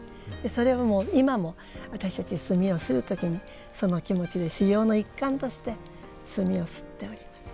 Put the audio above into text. それは今も私たち墨をする時にその気持ちで修行の一環として墨をすっております。